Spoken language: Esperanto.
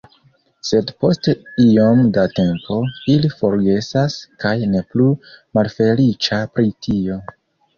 Sed post iom da tempo, ili forgesas kaj ne plu malfeliĉa pri tio.